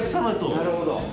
なるほど。